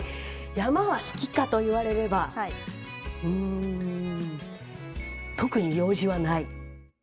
山は好きかと言われればうん特に用事はない。